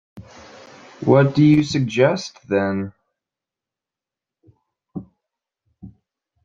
What do you suggest, then?